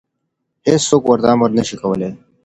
هېڅوک ورته امر نشي کولی.